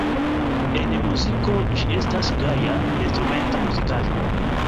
En muziko ĝi estas gaja instrumenta muzikaĵo.